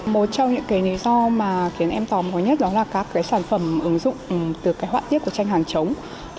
một trong những lý do mà khiến em tò mò nhất đó là các sản phẩm ứng dụng từ hoa tiết của tranh hàng chống